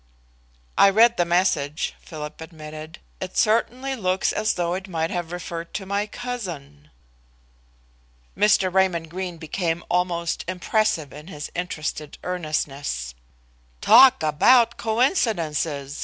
"I read the message," Philip admitted. "It certainly looks as though it might have referred to my cousin." Mr. Raymond Greene became almost impressive in his interested earnestness. "Talk about coincidences!"